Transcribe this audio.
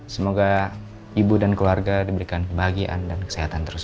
semoga ibu dan keluarga diberikan kebahagiaan dan kesehatan terus